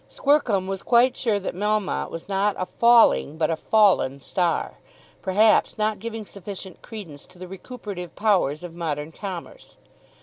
Squercum was quite sure that Melmotte was not a falling, but a fallen star, perhaps not giving sufficient credence to the recuperative powers of modern commerce.